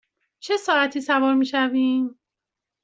چه ساعتی سوار می شویم؟